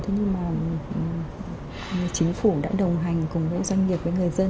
thế nhưng mà chính phủ đã đồng hành cùng với doanh nghiệp với người dân